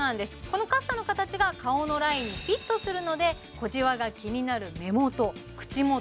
このカッサの形が顔のラインにフィットするので小じわが気になる目元口元